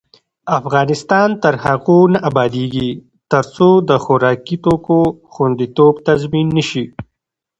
افغانستان تر هغو نه ابادیږي، ترڅو د خوراکي توکو خوندیتوب تضمین نشي.